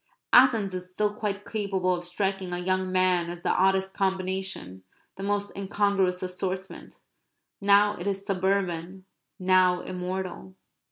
Athens is still quite capable of striking a young man as the oddest combination, the most incongruous assortment. Now it is suburban; now immortal.